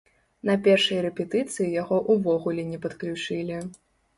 На першай рэпетыцыі яго ўвогуле не падключылі.